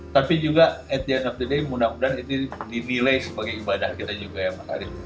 tapi juga di akhir hari mudah mudahan ini dinilai sebagai ibadah kita juga ya mas arief